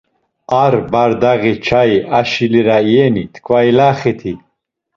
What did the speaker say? Ar bardaği çayi aşi lira iyeni, t̆ǩva ilaxiti?